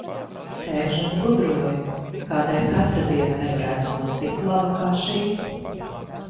Sēžu un gudroju, kādēļ katra diena nevarētu būt tik laba, kā šī.